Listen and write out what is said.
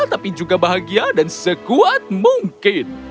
tapi juga bahagia dan sekuat mungkin